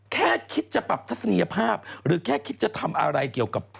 แค่คิดจะปรับทัศนียภาพหรือแค่คิดจะทำอะไรเกี่ยวกับ